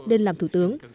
nên làm thủ tướng